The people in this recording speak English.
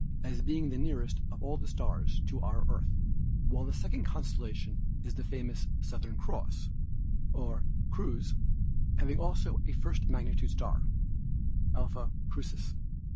as being the nearest of all the stars to our Earth, while the second constellation is the famous Southern Cross, or Crux, having also a first magnitude star, Alpha Crucis.